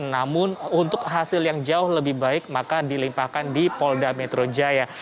namun untuk hasil yang jauh lebih baik maka dilimpahkan di polda metro jaya